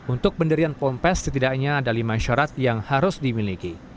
untuk penderian pondok pesantren setidaknya ada lima syarat yang harus dimiliki